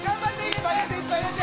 いっぱい入れていっぱい入れて。